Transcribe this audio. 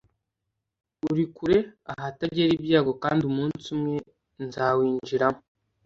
urikure ahatagera ibyago kandi umunsi umwe nzawinjiramo